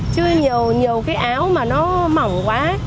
chứ nhiều cái áo mà nó mỏng quá